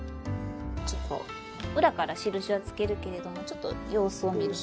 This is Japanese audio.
裏から印はつけるけれどもちょっと様子を見るのに。